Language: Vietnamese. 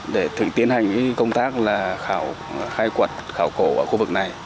để thử tiến hành công tác khai quật khảo cổ ở khu vực này